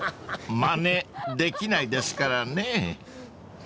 ［まねできないですからね］